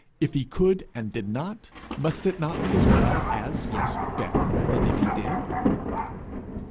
If he could, and did not, must it not be as well as, yes, better than if he did?